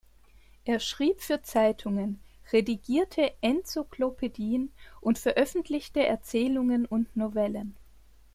Er schrieb für Zeitungen, redigierte Enzyklopädien und veröffentlichte Erzählungen und Novellen.